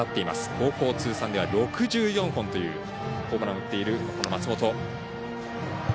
高校通算では６４本というホームランを打っている松本。